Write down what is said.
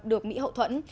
được mỹ hậu thuẫn